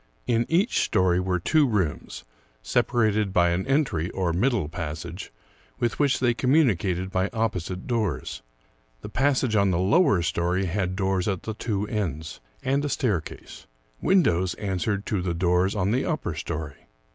In each story were two rooms, separated by an entry, or middle passage, with which they communicated by opposite doors. The passage on the lower story had doors at the two ends, and a staircase. Windows answered to the doors on the upper story.